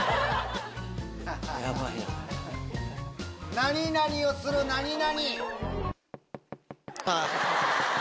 何々をする何々。